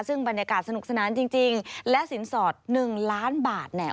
ซึ่งบรรยากาศสนุกสนานจริงและสินสอด๑ล้านบาทเนี่ย